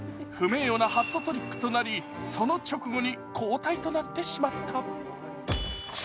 不名誉なハットトリックとなりその直後に交代となってしまった。